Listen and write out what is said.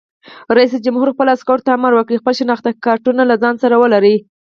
رئیس جمهور خپلو عسکرو ته امر وکړ؛ خپل شناختي کارتونه له ځان سره ولرئ!